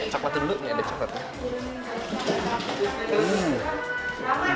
coklatnya dulu nih ada coklatnya